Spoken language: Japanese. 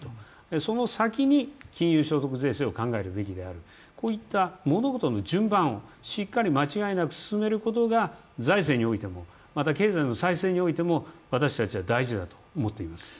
その先に金融所得税制を考えるべきであるこういった物事の順番をしっかり間違いなく進めることが財政においても経済の再生においても、私たちは大事だと思っています。